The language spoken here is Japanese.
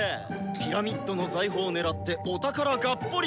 ピラミッドの財宝狙ってお宝ガッポリ！